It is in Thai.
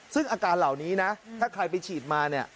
ซึ่งอาการเหล่านี้นะถ้าใครไปฉีดมาเนี่ย